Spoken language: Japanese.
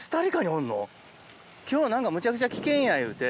今日は何かむちゃくちゃ危険やいうて。